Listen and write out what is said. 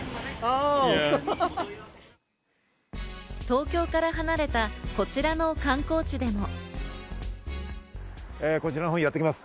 東京から離れた、こちらの観光地でも。